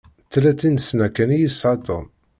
Tlatin-sna kan i yesεa Tom.